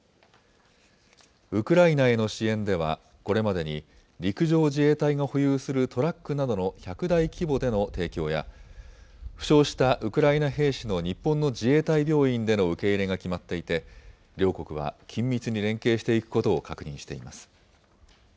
ウクライナへの支援ではこれまでに陸上自衛隊が保有するトラックなどの１００台規模での提供や、負傷したウクライナ兵士の日本の自衛隊病院での受け入れが決まっていて、両国は緊密に連携していくことを確認しています。